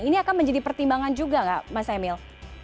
ini akan menjadi pertimbangan juga nggak mas emil